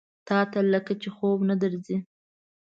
تاته لکه چې خوب نه درځي؟